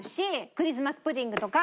クリスマス・プディングとか。